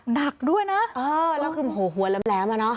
หนักด้วยนะแล้วคือหัวแหลมอะเนาะ